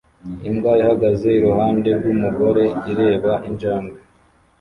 Imbwa ihagaze iruhande rwumugore ireba injangwe